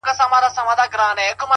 • اوس يې ياري كومه ياره مـي ده؛